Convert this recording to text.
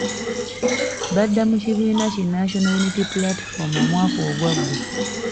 Badda mu kibiina ki National Unity Platform omwaka ogwagwa.